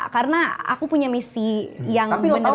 karena aku punya misi yang bener bener ini